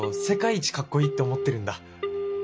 世界一かっこいいって思ってるんだ。